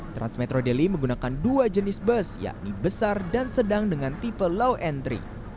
transmetro daily menggunakan dua jenis bus yakni besar dan sedang dengan tipe low entry